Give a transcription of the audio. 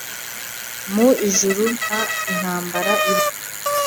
mu ijuru nta intambara ibayo